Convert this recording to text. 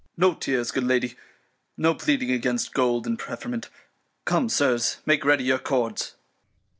Offi. No Tears, good Lady, no pleading against Gold and Preferment. Come, Sirs, make ready your Cords.